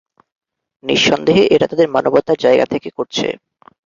নিঃসন্দেহে এটা তাদের মানবতার জায়গা থেকে করছে।